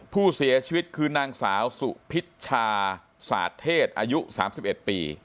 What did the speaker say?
ผู้เสียชีวิตคือนางสาวสุพิชชาศาสตร์เทศอายุ๓๑ปี